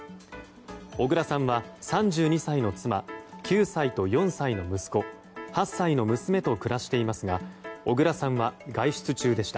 小倉さんは３２歳の妻９歳と４歳の息子、８歳の娘と暮らしていますが小倉さんは外出中でした。